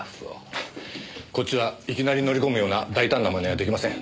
こっちはいきなり乗り込むような大胆な真似はできません。